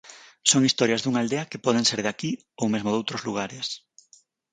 Son historias dunha aldea que poden ser de aquí ou mesmo doutros lugares.